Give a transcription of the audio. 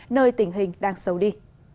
nơi tình hình đang sâu đi